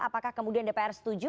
apakah kemudian dpr setuju